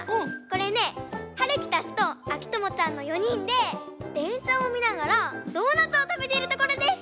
これねはるきたちとあきともちゃんの４にんででんしゃをみながらドーナツをたべてるところです！